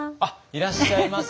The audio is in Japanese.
いらっしゃいませ。